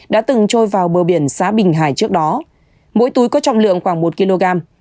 đã từng trôi vào bờ biển xã bình hải trước đó mỗi túi có trọng lượng khoảng một kg